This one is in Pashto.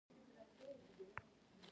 د مڼو د کوډلینګ مټ څنګه کنټرول کړم؟